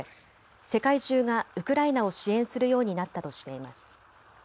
世界中がウクライナを支援するようになったとしています。